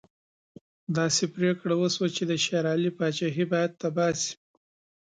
داسې پرېکړه وشوه چې د شېر علي پاچهي باید تباه شي.